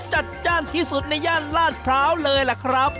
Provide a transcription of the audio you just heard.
จัดจ้านที่สุดในย่านลาดพร้าวเลยล่ะครับ